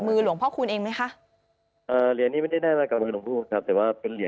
หรือว่าเป็นเหรียญที่พ่อใช้แผนจนมาตั้งแต่จะเป็น